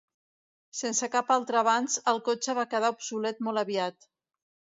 Sense cap altre avanç, el cotxe va quedar obsolet molt aviat.